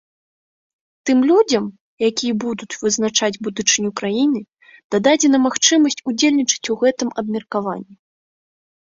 Тым людзям, якія будуць вызначаць будучыню краіны, дадзена магчымасць удзельнічаць у гэтым абмеркаванні.